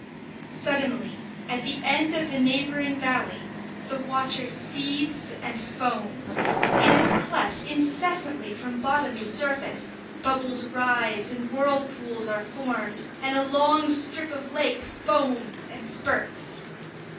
Suddenly, at the end of the neighbouring valley, the water seethes and foams. It is cleft incessantly from bottom to surface, bubbles rise and whirlpools are formed, and a long strip of lake foams and spurts.